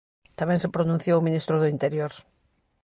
Tamén se pronunciou o ministro do Interior.